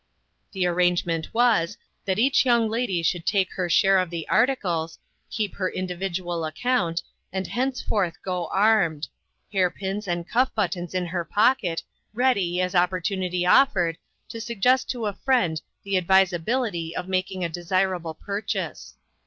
The arrangement was, that each young lady should take her share of the articles, keep her individual account, and thenceforth go armed; hair pins and cuff buttons in her pocket, ready, as opportunity offered, to suggest to a friend the advisability of making a desir able purchase.